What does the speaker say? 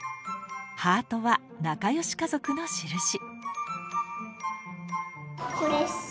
ハートは仲良し家族のしるし。